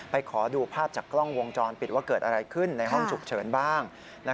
ขอดูภาพจากกล้องวงจรปิดว่าเกิดอะไรขึ้นในห้องฉุกเฉินบ้าง